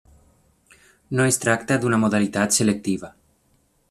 No es tracta d'una modalitat selectiva.